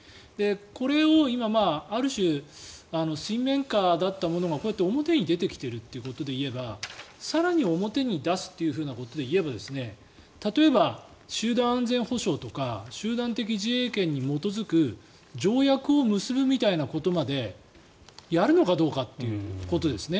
これを今、ある種水面下だったものがこうやって表に出てきているということでいえば更に表に出すというふうなことでいえば例えば集団安全保障とか集団的自衛権に基づく条約を結ぶみたいなことまでやるのかどうかっていうことですね。